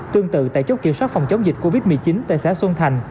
tương tự tại chốt kiểm soát phòng chống dịch covid một mươi chín tại xã xuân thành